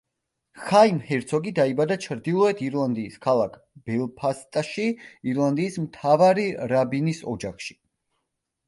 ხაიმ ჰერცოგი დაიბადა ჩრდილოეთ ირლანდიის ქალაქ ბელფასტში ირლანდიის მთავარი რაბინის ოჯახში.